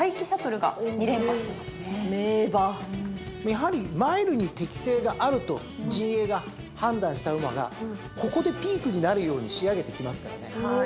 やはりマイルに適性があると陣営が判断した馬がここでピークになるように仕上げてきますからね。